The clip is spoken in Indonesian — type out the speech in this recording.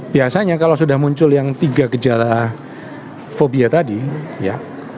biasanya kalau sudah muncul yang tiga gejala fobia tadi ya